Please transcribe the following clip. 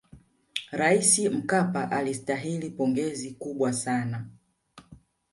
raisi mkapa alistahili pongezi kubwa sana